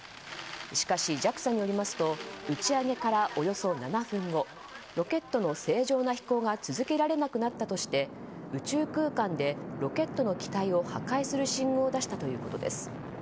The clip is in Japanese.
しかし、ＪＡＸＡによりますと打ち上げから、およそ７分後ロケットの正常な飛行が続けられなくなったとして宇宙空間でロケットの機体を破壊する信号を出したということです。